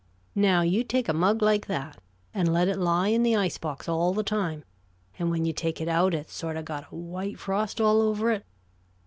Now, you take a mug like that and let it lie in the ice box all the time, and when you take it out, it's sort of got a white frost all over it.